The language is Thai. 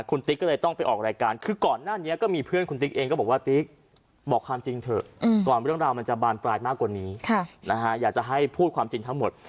ก่อนไม่ต้องราวมันจะบานกลายมากกว่านี้อยากจะให้พูดความจริงทั้งหมด